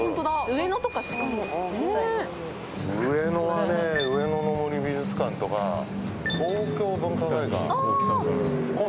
上野はね、上野の森美術館とか東京文化会館。